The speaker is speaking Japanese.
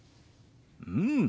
うん！